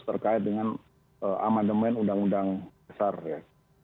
terkait dengan amandemen undang undang besar ya